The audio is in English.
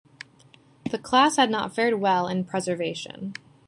The Class has not fared well in preservation.